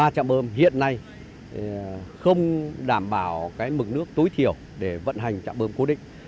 ba chạm bơm hiện nay không đảm bảo mực nước tối thiểu để vận hành chạm bơm cố định